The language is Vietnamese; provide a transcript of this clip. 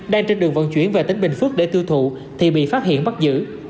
đang trên đường vận chuyển về tỉnh bình phước để tiêu thụ thì bị phát hiện bắt giữ